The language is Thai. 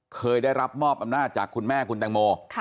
เคยได้รับมอบอำนาจจากคุณแม่คุณแตงโม